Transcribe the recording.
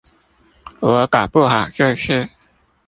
我搞不好就是